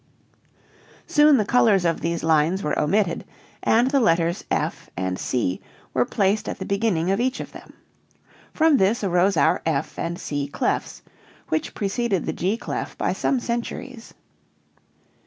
Soon the colors of these lines were omitted and the letters F and C were placed at the beginning of each of them. From this arose our F and C clefs, which preceded the G clef by some centuries."